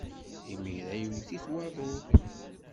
Imir-a iwet-it waḍu.